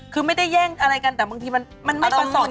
คือไม่ได้แย่งอะไรกันแต่บางทีมันไม่ประสงค์